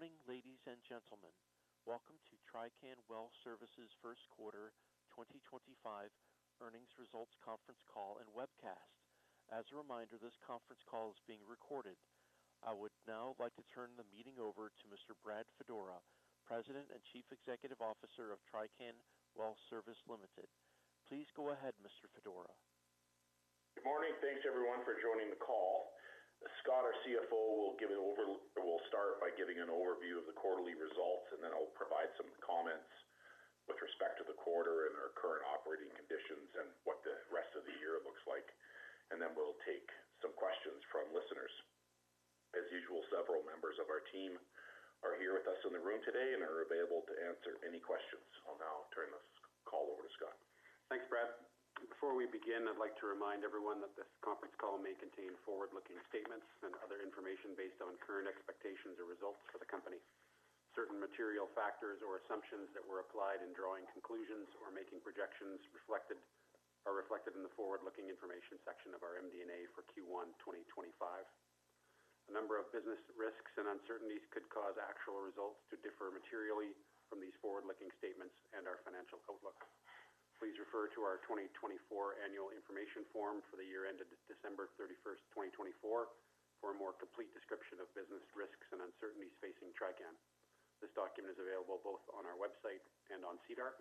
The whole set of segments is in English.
Good morning, ladies and gentlemen. Welcome to Trican Well Service's first quarter 2025 earnings results conference call and webcast. As a reminder, this conference call is being recorded. I would now like to turn the meeting over to Mr. Brad Fedora, President and Chief Executive Officer of Trican Well Service Ltd. Please go ahead, Mr. Fedora. Good morning. Thanks, everyone, for joining the call. Scott, our CFO, will start by giving an overview of the quarterly results, and then I'll provide some comments with respect to the quarter and our current operating conditions and what the rest of the year looks like. Then we'll take some questions from listeners. As usual, several members of our team are here with us in the room today and are available to answer any questions. I'll now turn this call over to Scott. Thanks, Brad. Before we begin, I'd like to remind everyone that this conference call may contain forward-looking statements and other information based on current expectations or results for the company. Certain material factors or assumptions that were applied in drawing conclusions or making projections are reflected in the forward-looking information section of our MD&A for Q1 2025. A number of business risks and uncertainties could cause actual results to differ materially from these forward-looking statements and our financial outlook. Please refer to our 2024 annual information form for the year ended December 31, 2024, for a more complete description of business risks and uncertainties facing Trican. This document is available both on our website and on SEDAR+.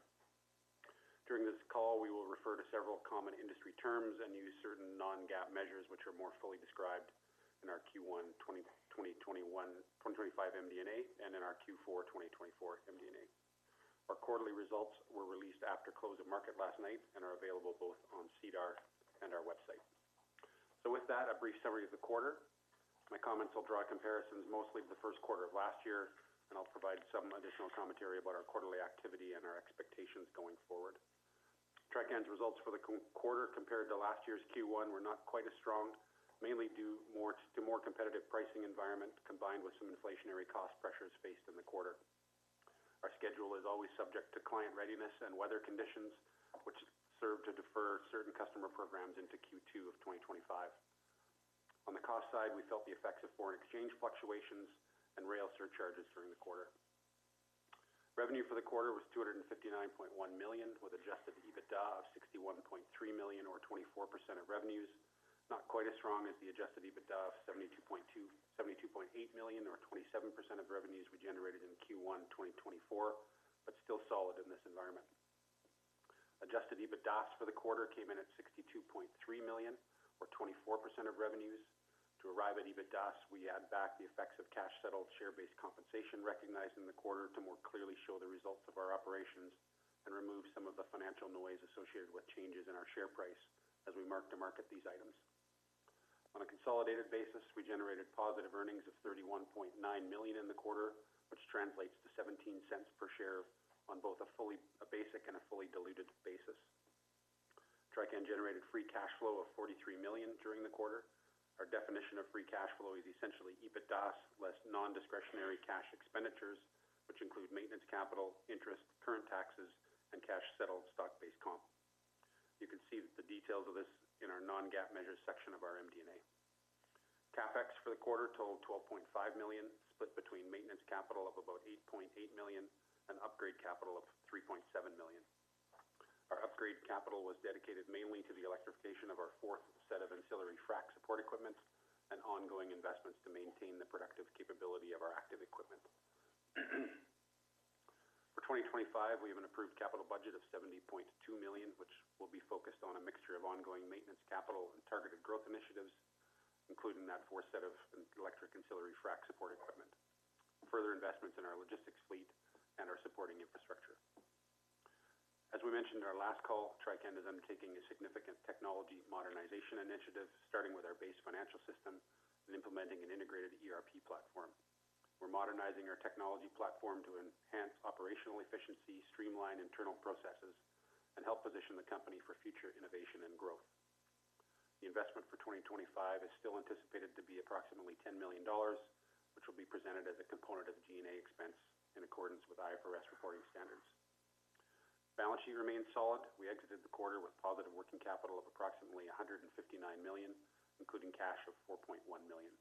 During this call, we will refer to several common industry terms and use certain non-GAAP measures which are more fully described in our Q1 2025 MD&A and in our Q4 2024 MD&A. Our quarterly results were released after close of market last night and are available both on SEDAR+ and our website. With that, a brief summary of the quarter. My comments will draw comparisons mostly to the first quarter of last year, and I'll provide some additional commentary about our quarterly activity and our expectations going forward. Trican's results for the quarter compared to last year's Q1 were not quite as strong, mainly due to a more competitive pricing environment combined with some inflationary cost pressures faced in the quarter. Our schedule is always subject to client readiness and weather conditions, which serve to defer certain customer programs into Q2 of 2025. On the cost side, we felt the effects of foreign exchange fluctuations and rail surcharges during the quarter. Revenue for the quarter was $259.1 million, with adjusted EBITDA of $61.3 million, or 24% of revenues. Not quite as strong as the adjusted EBITDA of $72.8 million, or 27% of revenues we generated in Q1 2024, but still solid in this environment. Adjusted EBITDA for the quarter came in at $62.3 million, or 24% of revenues. To arrive at EBITDA, we add back the effects of cash-settled share-based compensation recognized in the quarter to more clearly show the results of our operations and remove some of the financial noise associated with changes in our share price as we mark to market these items. On a consolidated basis, we generated positive earnings of $1.9 million in the quarter, which translates to $0.17 per share on both a basic and a fully diluted basis. Trican generated free cash flow of $43 million during the quarter. Our definition of free cash flow is essentially EBITDA less non-discretionary cash expenditures, which include maintenance capital, interest, current taxes, and cash-settled stock-based comp. You can see the details of this in our non-GAAP measures section of our MD&A. CapEx for the quarter totaled $12.5 million, split between maintenance capital of about $8.8 million and upgrade capital of $3.7 million. Our upgrade capital was dedicated mainly to the electrification of our fourth set of electric ancillary frac support equipment and ongoing investments to maintain the productive capability of our active equipment. For 2025, we have an approved capital budget of $70.2 million, which will be focused on a mixture of ongoing maintenance capital and targeted growth initiatives, including that fourth set of electric ancillary frac support equipment, further investments in our logistics fleet, and our supporting infrastructure. As we mentioned in our last call, Trican is undertaking a significant technology modernization initiative, starting with our base financial system and implementing an integrated ERP platform. We're modernizing our technology platform to enhance operational efficiency, streamline internal processes, and help position the company for future innovation and growth. The investment for 2025 is still anticipated to be approximately $10 million, which will be presented as a component of G&A expense in accordance with IFRS reporting standards. Balance sheet remains solid. We exited the quarter with positive working capital of approximately $159 million, including cash of $4.1 million.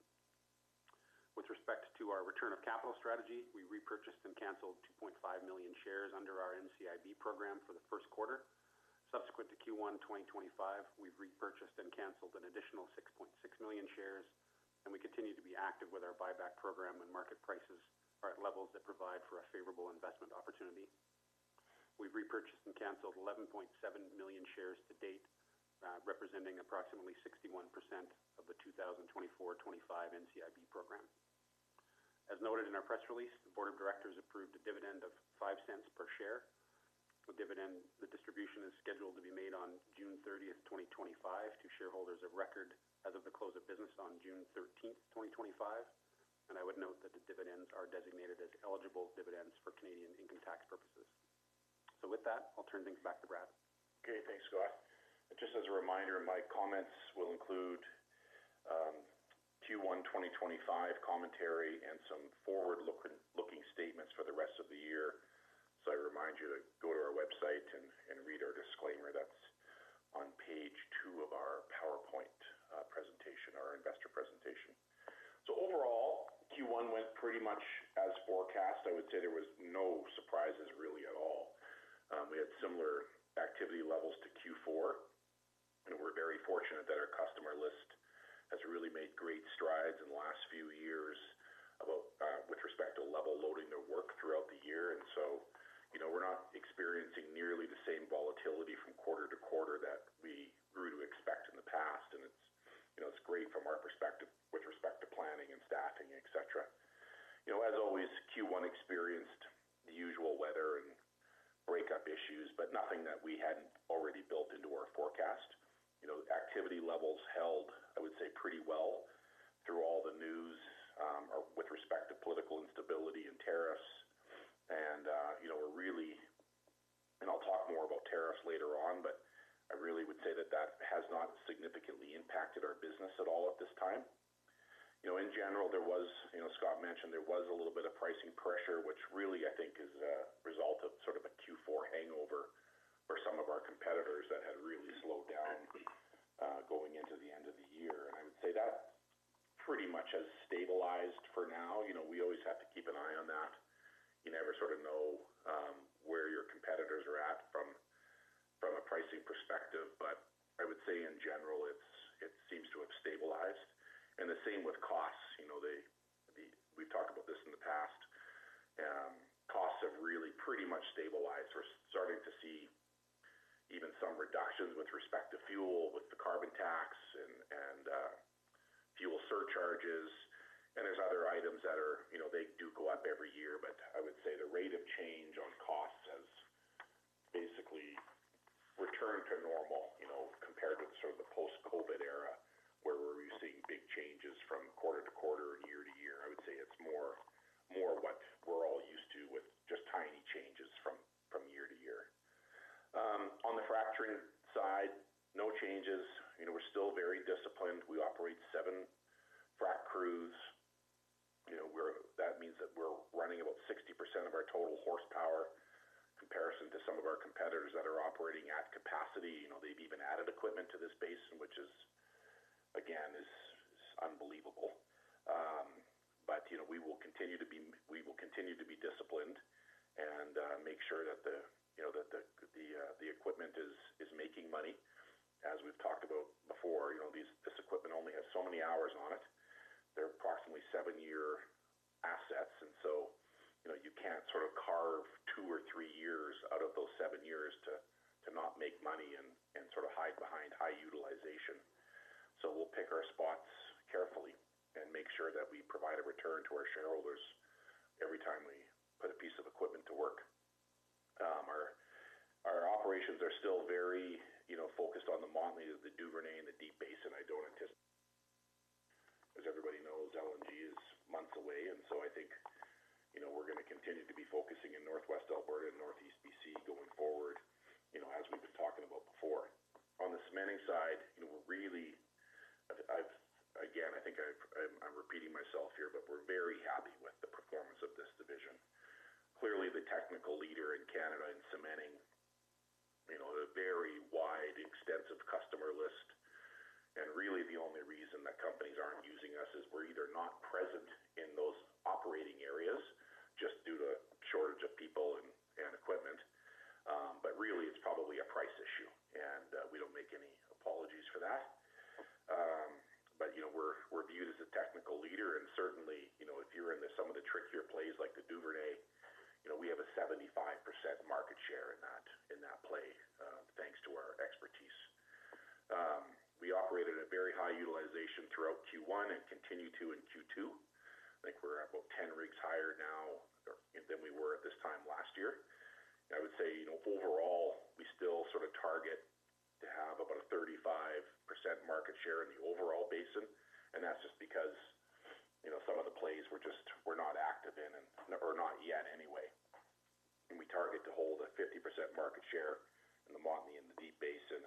With respect to our return of capital strategy, we repurchased and canceled 2.5 million shares under our NCIB program for the first quarter. Subsequent to Q1 2025, we've repurchased and canceled an additional $6.6 million shares, and we continue to be active with our buyback program when market prices are at levels that provide for a favorable investment opportunity. We've repurchased and canceled 11.7 million shares to date, representing approximately 61% of the 2024-2025 NCIB program. As noted in our press release, the Board of Directors approved a dividend of $0.05 per share. The distribution is scheduled to be made on June 30th, 2025, to shareholders of record as of the close of business on June 13th, 2025. I would note that the dividends are designated as eligible dividends for Canadian income tax purposes. With that, I'll turn things back to Brad. Okay. Thanks, Scott. Just as a reminder, my comments will include Q1 2025 commentary and some forward-looking statements for the rest of the year. I remind you to go to our website and read our disclaimer. That is on page two of our PowerPoint presentation, our investor presentation. Overall, Q1 went pretty much as forecast. I would say there were no surprises really at all. We had similar activity levels to Q4. We are very fortunate that our customer list has really made great strides in We've talked about this in the past. Costs have really pretty much stabilized. We're starting to see even some reductions with respect to fuel with the carbon tax and fuel surcharges. There are other items that do go up every year. I would say the rate of change on costs has basically returned to normal compared with sort of the post-COVID era where we were seeing big changes from quarter to quarter and year to year. I would say it's more what we're all used to with just tiny changes from year to year. On the fracturing side, no changes. We're still very disciplined. We operate seven frac crews. That means that we're running about 60% of our total horsepower compared to some of our competitors that are operating at capacity. They've even added equipment to this basin, which is, again, unbelievable. We will continue to be disciplined and make sure that the equipment is making money. As we've talked about before, this equipment only has so many hours on it. They're approximately seven-year assets. You can't sort of carve two or three years out of those seven years to not make money and sort of hide behind high utilization. We'll pick our spots carefully and make sure that we provide a return to our shareholders every time we put a piece of equipment to work. Our operations are still very focused on the Montney, the Duvernay, and the Deep Basin. I don't anticipate, as everybody knows, LNG is months away. I think we're going to continue to be focusing in Northwest Alberta and Northeast BC going forward, as we've been talking about before. On the cementing side, we're really, again, I think I'm repeating myself here, but we're very happy with the performance of this division. Clearly, the technical leader in Canada in cementing, a very wide, extensive customer list. Really, the only reason that companies aren't using us is we're either not present in those operating areas just due to a shortage of people and equipment. Really, it's probably a price issue. We don't make any apologies for that. We're viewed as a technical leader. Certainly, if you're in some of the trickier plays like the Duvernay, we have a 75% market share in that play thanks to our expertise. We operated at a very high utilization throughout Q1 and continue to in Q2. I think we're about 10 rigs higher now than we were at this time last year. I would say, overall, we still sort of target to have about a 35% market share in the overall basin. That's just because some of the plays we're not active in or not yet anyway. We target to hold a 50% market share in the Montney and the Deep Basin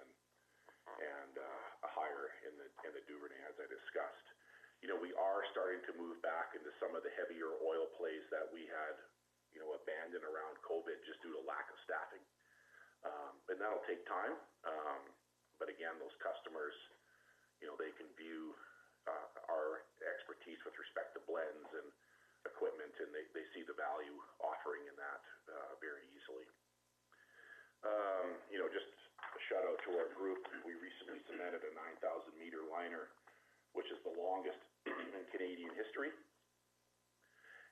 and a higher in the Duvernay, as I discussed. We are starting to move back into some of the heavier oil plays that we had abandoned around COVID just due to lack of staffing. That'll take time. Again, those customers, they can view our expertise with respect to blends and equipment, and they see the value offering in that very easily. Just a shout-out to our group. We recently cemented a 9,000-meter liner, which is the longest in Canadian history.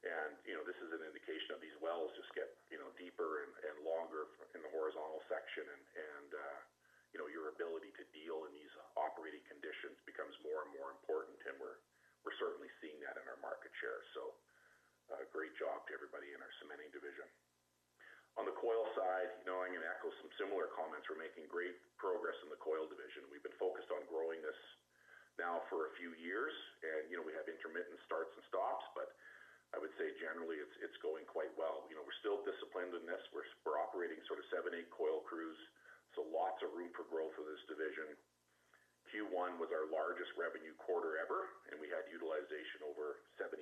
This is an indication of these wells just get deeper and longer in the horizontal section. Your ability to deal in these operating conditions becomes more and more important. We're certainly seeing that in our market share. Great job to everybody in our cementing division. On the coil side, I can echo some similar comments. We're making great progress in the coil division. We've been focused on growing this now for a few years. We have intermittent starts and stops. I would say, generally, it's going quite well. We're still disciplined in this. We're operating sort of seven-eight coil crews. Lots of room for growth in this division. Q1 was our largest revenue quarter ever. We had utilization over 70%.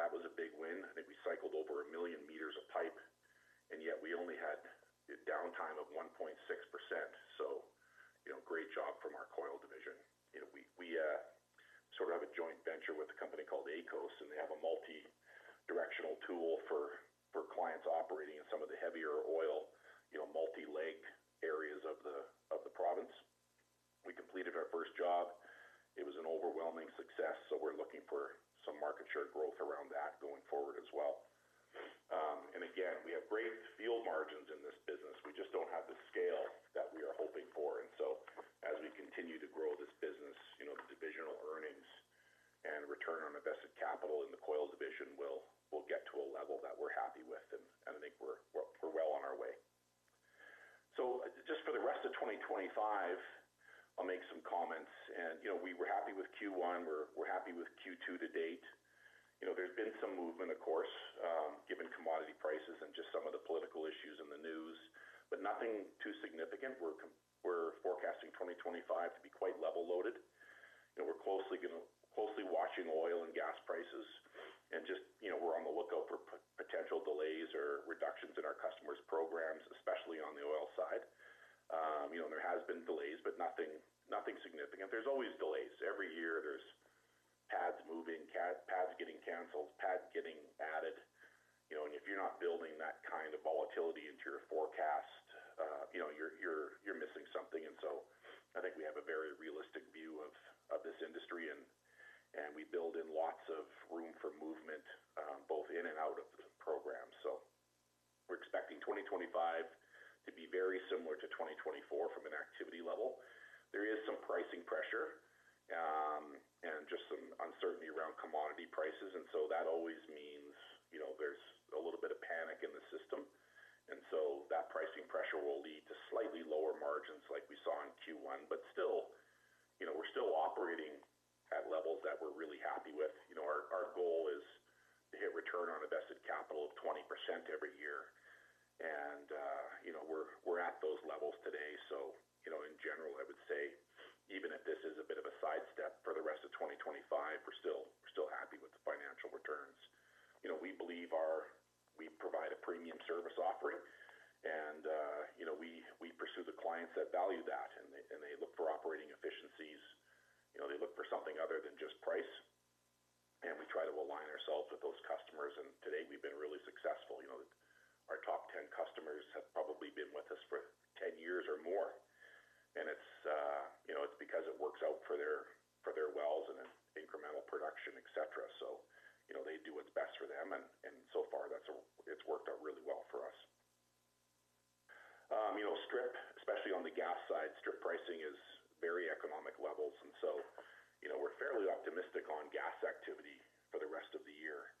That was a big win. I think we cycled over 1 million meters of pipe, and yet, we only had a downtime of 1.6%. Great job from our coil division. We sort of have a joint venture with a company called ACOS, and they have a multi-directional tool for clients operating in some of the heavier oil, multi-leg areas of the province. We completed our first job. It was an overwhelming success. We are looking for some market share growth around that going forward as well. Again, we have great field margins in this business. We just do not have the scale that we are hoping for. As we continue to grow this business, the divisional earnings and return on invested capital in the coil division will get to a level that we are happy with. I think we are well on our way. Just for the rest of 2025, I'll make some comments. We were happy with Q1. We're happy with Q2 to date. There's been some movement, of course, given commodity prices and just some of the political issues in the news, but nothing too significant. We're forecasting 2025 to be quite level loaded. We're closely watching oil and gas prices. We're on the lookout for potential delays or reductions in our customers' programs, especially on the oil side. There have been delays, but nothing significant. There are always delays. Every year, there are pads moving, pads getting canceled, pads getting added. If you're not building that kind of volatility into your forecast, you're missing something. I think we have a very realistic view of this industry. We build in lots of room for movement both in and out of the program. We're expecting 2025 to be very similar to 2024 from an activity level. There is some pricing pressure and just some uncertainty around commodity prices. That always means there's a little bit of panic in the system. That pricing pressure will lead to slightly lower margins like we saw in Q1. Still, we're operating at levels that we're really happy with. Our goal is to hit return on invested capital of 20% every year. We're at those levels today. In general, I would say, even if this is a bit of a sidestep for the rest of 2025, we're still happy with the financial returns. We believe we provide a premium service offering. We pursue the clients that value that. They look for operating efficiencies. They look for something other than just price. We try to align ourselves with those customers. Today, we've been really successful. Our top 10 customers have probably been with us for 10 years or more. It's because it works out for their wells and incremental production, etc. They do what's best for them. So far, it's worked out really well for us. Strip, especially on the gas side, strip pricing is very economic levels. We're fairly optimistic on gas activity for the rest of the year.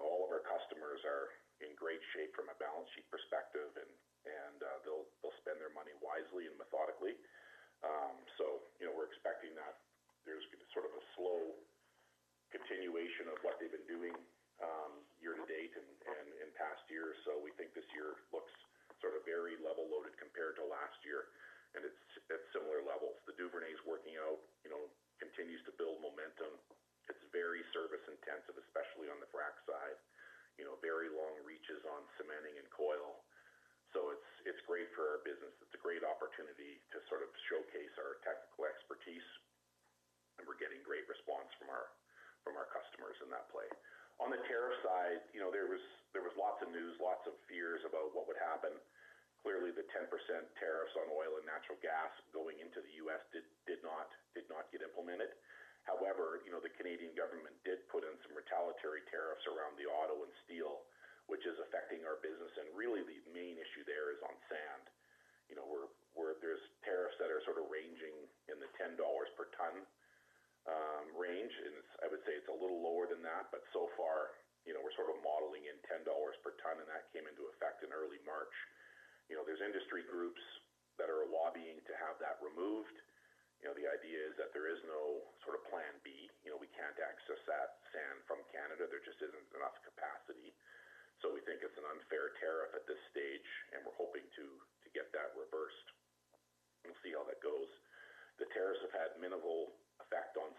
All of our customers are in great shape from a balance sheet perspective. They'll spend their money wisely and methodically. We're expecting that there's sort of a slow continuation of what they've been doing year to date and past year. We think this year looks sort of very level loaded compared to last year. It's similar levels. The Duvernay is working out, continues to build momentum. It's very service intensive, especially on the frac side. Very long reaches on cementing and coil. It's great for our business. It's a great opportunity to sort of showcase our technical expertise. We're getting great response from our customers in that play. On the tariff side, there was lots of news, lots of fears about what would happen. Clearly, the 10% tariffs on oil and natural gas going into the U.S. did not get implemented. However, the Canadian government did put in some retaliatory tariffs around the auto and steel, which is affecting our business. The main issue there is on sand. There are tariffs that are sort of ranging in the $10 per ton range. I would say it's a little lower than that, but so far, we're sort of modeling in $10 per ton. That came into effect in early March. There are industry groups that are lobbying to have that removed. The idea is that there is no sort of plan B. We cannot access that sand from Canada. There just is not enough capacity. We think it is an unfair tariff at this stage. We are hoping to get that reversed and see how that goes. The tariffs have had minimal effect on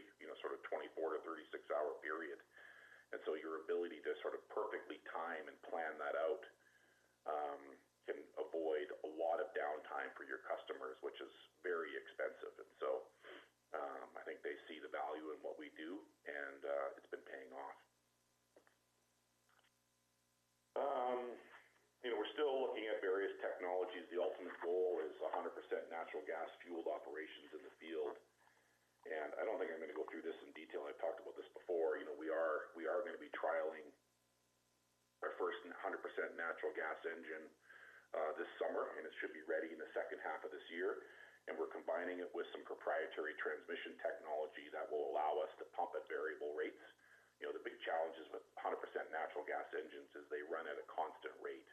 schedule can mean big delays. You have hundreds of truckloads of sand showing up in a very sort of 24-36 hour period. Your ability to sort of perfectly time and plan that out can avoid a lot of downtime for your customers, which is very expensive. I think they see the value in what we do. It has been paying off. We are still looking at various technologies. The ultimate goal is 100% natural gas-fueled operations in the field. I do not think I am going to go through this in detail. I have talked about this before. We are going to be trialing our first 100% natural gas engine this summer. It should be ready in the second half of this year. We are combining it with some proprietary transmission technology that will allow us to pump at variable rates. The big challenges with 100% natural gas engines is they run at a constant rate,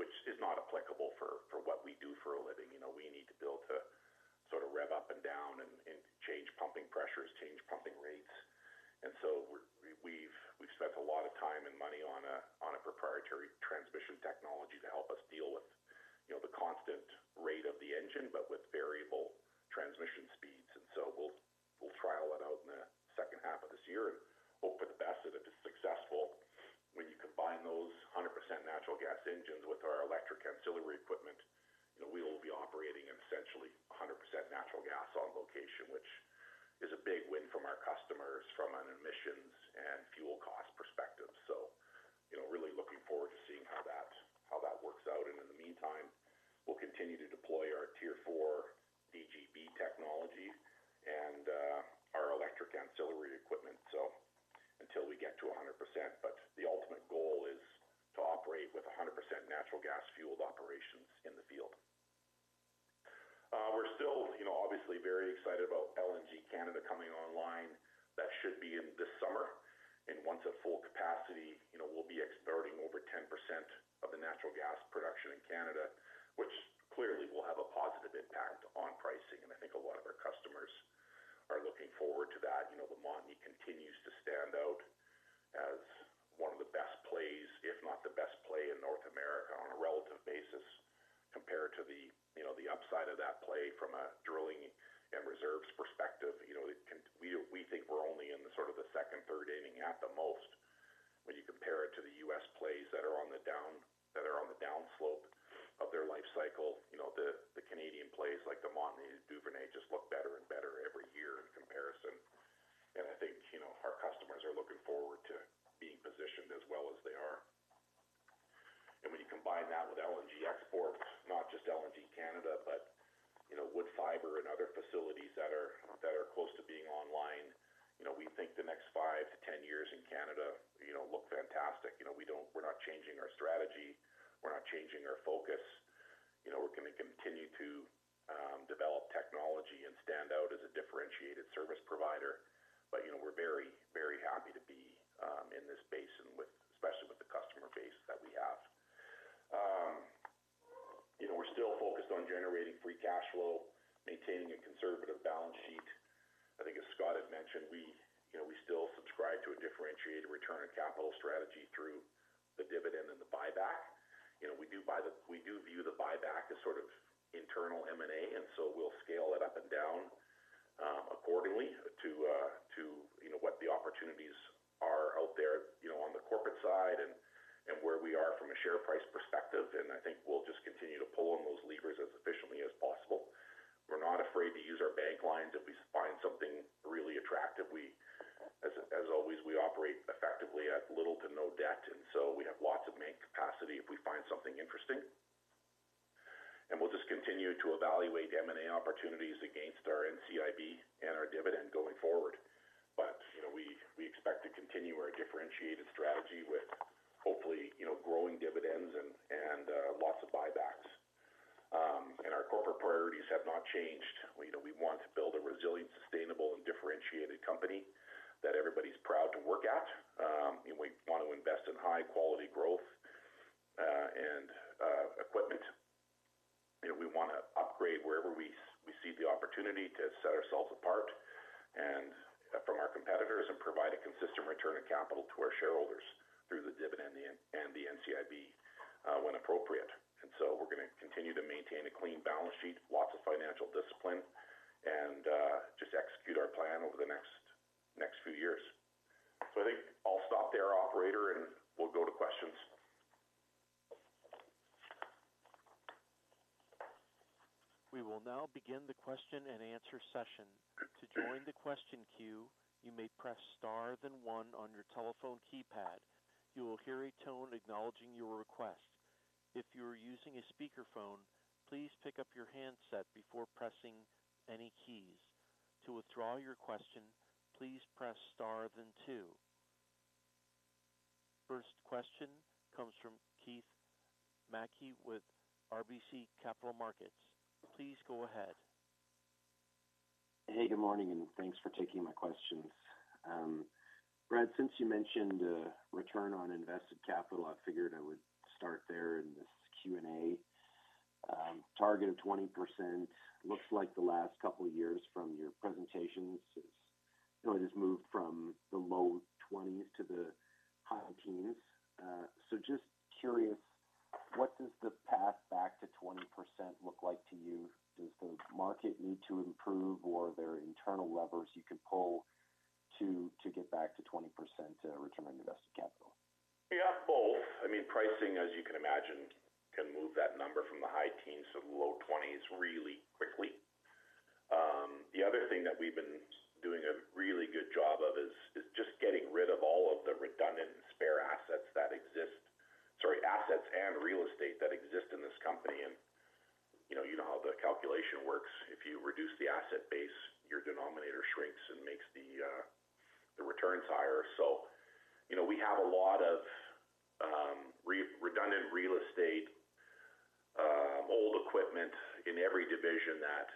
which is not applicable for what we do for a living. We need to build to sort of rev up and down and change pumping pressures, change pumping rates. We have spent a lot of time and money on a proprietary transmission technology to help us deal with the constant rate of the engine, but with variable transmission speeds. We will trial it out in the second half of this year and hope for the best. If it is successful, when you combine those 100% natural gas engines with our electric ancillary equipment, we will be operating in essentially 100% natural gas on location, which is a big win for our customers from an emissions and fuel cost perspective. I am really looking forward to seeing how that works out. In the meantime, we will continue to deploy our Tier 4 DGB technology and our electric ancillary equipment until we get to 100%. The ultimate goal is to operate with 100% natural gas-fueled operations in the field. We're still obviously very excited about LNG Canada coming online. That should be in this summer. Once at full capacity, we'll be exporting over 10% of the natural gas production in Canada, which upgrade wherever we see the opportunity to set ourselves apart from our competitors and provide a consistent return of capital to our shareholders through the dividend and the NCIB when appropriate. We are going to continue to maintain a clean balance sheet, lots of financial discipline, and just execute our plan over the next few years. I think I'll stop there, operator, and we'll go to questions. We will now begin the question and answer session. To join the question queue, you may press star then one on your telephone keypad. You will hear a tone acknowledging your request. If you are using a speakerphone, please pick up your handset before pressing any keys. To withdraw your question, please press star then two. First question comes from Keith Mackey with RBC Capital Markets. Please go ahead. Hey, good morning. Thanks for taking my questions. Brad, since you mentioned return on invested capital, I figured I would start there in this Q&A. Target of 20% looks like the last couple of years from your presentations has really just moved from the low 20s to the high teens. Just curious, what does the path back to 20% look like to you? Does the market need to improve, or are there internal levers you can pull to get back to 20% return on invested capital? Yeah, both. I mean, pricing, as you can imagine, can move that number from the high teens to the low 20s really quickly. The other thing that we've been doing a really good job of is just getting rid of all of the redundant and spare assets that exist, sorry, assets and real estate that exist in this company. You know how the calculation works. If you reduce the asset base, your denominator shrinks and makes the returns higher. We have a lot of redundant real estate, old equipment in every division that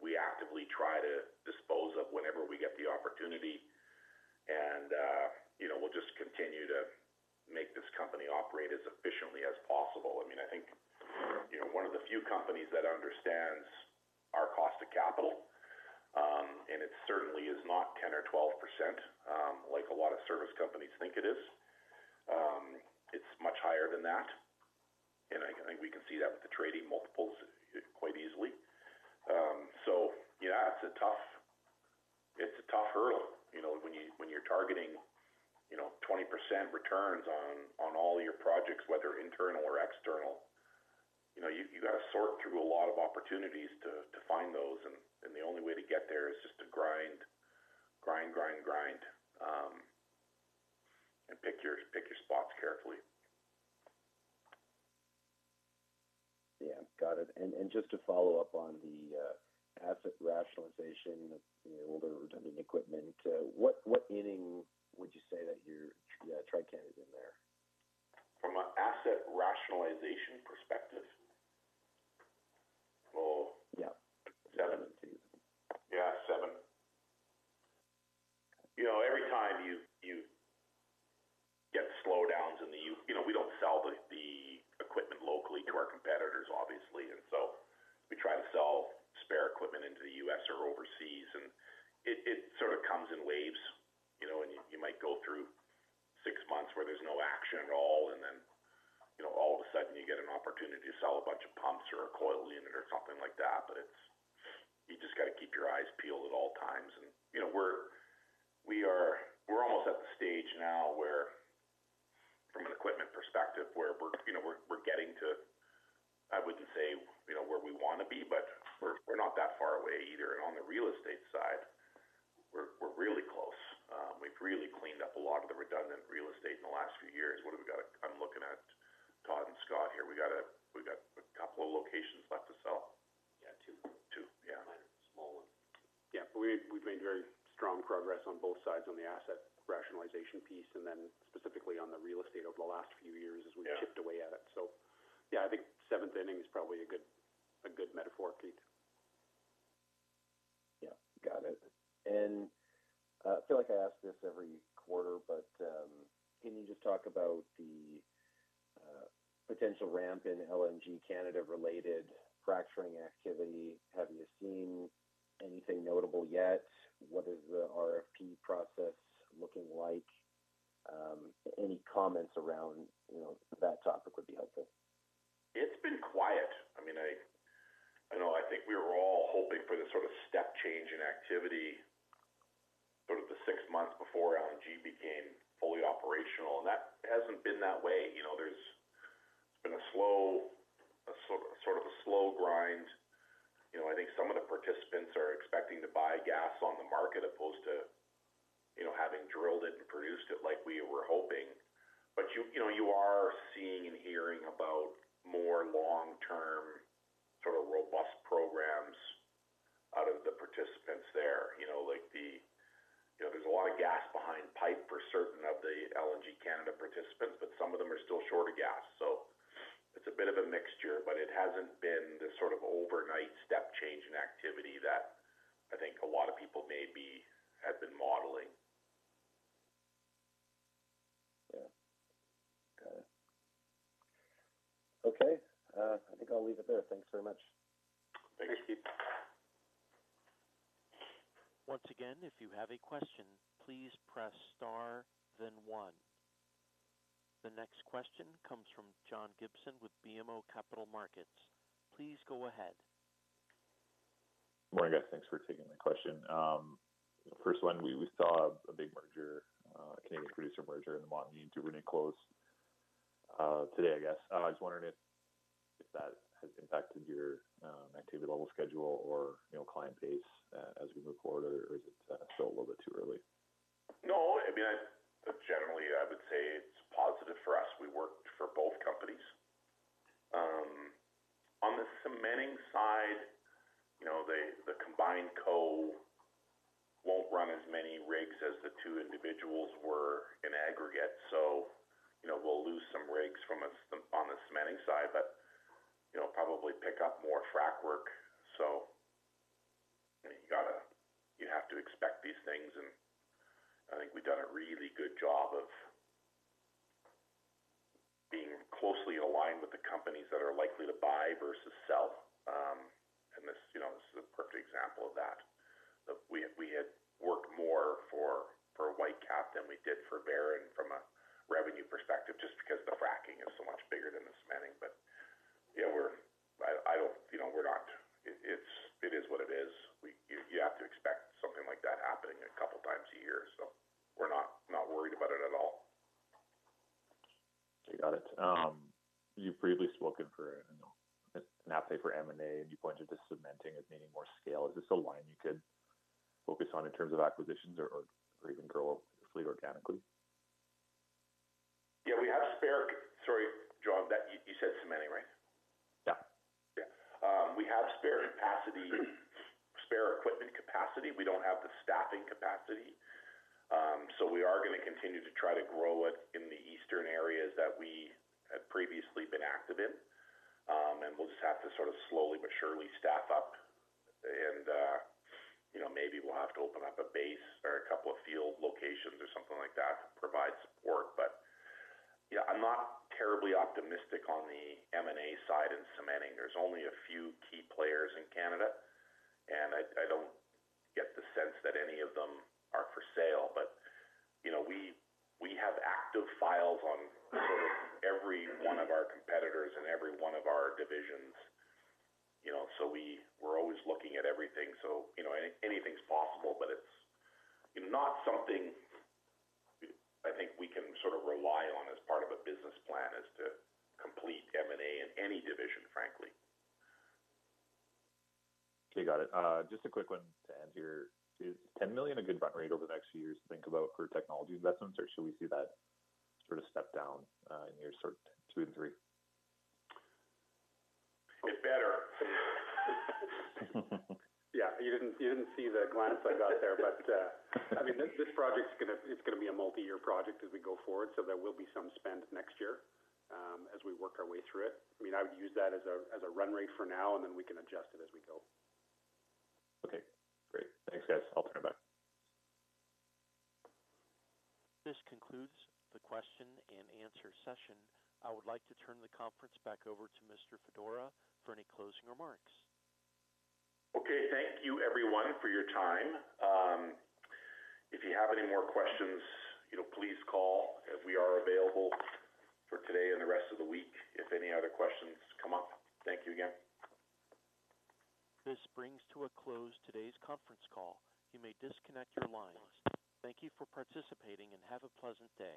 we actively try to dispose of whenever we get the opportunity. We'll just continue to make this company operate as efficiently as possible. I mean, I think one of the few companies that understands our cost of capital, and it certainly is not 10% or 12% like a lot of service companies think it is. It is much higher than that. I think we can see that with the trading multiples quite easily. It is a tough hurdle when you are targeting 20% returns on all your projects, whether internal or external. You have to sort through a lot of opportunities to find those. The only way to get there is just to grind, grind, grind, grind and pick your spots carefully. Yeah, got it. Just to follow up on the asset rationalization, older equipment, what inning would you say that your Trican is in there? From an asset rationalization perspective, seven. Yeah, seven. Every time you get slowdowns in the U.S., we don't sell the equipment locally to our competitors, obviously. We try to sell spare equipment into the U.S. or overseas. It sort of comes in waves. You might go through six months where there's no action at all. All of a sudden, you get an opportunity to sell a bunch of pumps or a coil unit or something like that. You just got to keep your eyes peeled at all times. We're almost at the stage now where, from an equipment perspective, we're getting to, I wouldn't say where we want to be, but we're not that far away either. On the real estate side, we're really close. We've really cleaned up a lot of the redundant real estate in the last few years. What have we got? I'm looking at Todd and Scott here. We got a couple of locations left to sell. Yeah, two. Two, yeah. Small one. Yeah, but we've made very strong progress on both sides on the asset rationalization piece and then specifically on the real estate over the last few years as we've chipped away at it. Yeah, I think seventh inning is probably a good metaphor, Keith. Got it. I feel like I ask this every quarter, but can you just talk about the potential ramp in LNG Canada-related fracturing activity? Have you seen anything notable yet? What is the RFP process looking like? Any comments around that topic would be helpful. It's been quiet. I mean, I think we were all hoping for the sort of step change in activity sort of the six months before LNG became fully operational. That hasn't been that way. It's been sort of a slow grind. I think some of the participants are expecting to buy gas on the market as opposed to having drilled it and produced it like we were hoping. You are seeing and hearing about more long-term sort of robust programs out of the participants there. There's a lot of gas behind pipe for certain of the LNG Canada participants, but some of them are still short of gas. It's a bit of a mixture, but it hasn't been this sort of overnight step change in activity that I think a lot of people maybe have been modeling. Yeah, got it. Okay. I think I'll leave it there. Thanks very much. Thanks, Keith. Once again, if you have a question, please press star then one. The next question comes from John Gibson with BMO Capital Markets. Please go ahead. Morning, guys. Thanks for taking my question. First one, we saw a big merger, a Canadian producer merger in the Montney and Duvernay close today, I guess. I was wondering if that has impacted your activity level schedule or client base as we move forward, or is it still a little bit too early? No, I mean, generally, I would say it's positive for us. We worked for both companies. On the cementing side, the combined co won't run as many rigs as the two individuals were in aggregate. We'll lose some rigs on the cementing side, but probably pick up more frac work. You have to expect these things. I think we've done a really good job of being closely aligned with the companies that are likely to buy versus sell. This is a perfect example of that. We had worked more for Whitecap than we did for Baytex from a revenue perspective just because the fracking is so much bigger than the cementing. Yeah, I don't know. It is what it is. You have to expect something like that happening a couple of times a year. We're not worried about it at all. I got it. You've previously spoken for an app for M&A, and you pointed to cementing as needing more scale. Is this a line you could focus on in terms of acquisitions or even grow fleet organically? Yeah, we have spare—sorry, John, you said cementing, right? Yeah. Yeah. We have spare equipment capacity. We do not have the staffing capacity. We are going to continue to try to grow it in the eastern areas that we had previously been active in. We will just have to sort of slowly but surely staff up. Maybe we will have to open up a base or a couple of field locations or something like that to provide support. Yeah, I am not terribly optimistic on the M&A side in cementing. There are only a few key players in Canada. I do not get the sense that any of them are for sale. We have active files on sort of every one of our competitors and every one of our divisions. We are always looking at everything. Anything's possible, but it's not something I think we can sort of rely on as part of a business plan is to complete M&A in any division, frankly. Okay, got it. Just a quick one to end here. Is $10 million a good rate over the next few years to think about for technology investments, or should we see that sort of step down in years two and three? It's better. Yeah, you didn't see the glance I got there, but I mean, this project is going to be a multi-year project as we go forward. There will be some spend next year as we work our way through it. I mean, I would use that as a run rate for now, and then we can adjust it as we go. Okay, great. Thanks, guys. I'll turn it back. This concludes the question and answer session. I would like to turn the conference back over to Mr. Fedora for any closing remarks. Okay, thank you, everyone, for your time. If you have any more questions, please call. We are available for today and the rest of the week if any other questions come up. Thank you again. This brings to a close today's conference call. You may disconnect your lines. Thank you for participating and have a pleasant day.